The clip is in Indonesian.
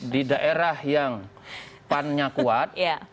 di daerah yang pan nya kuat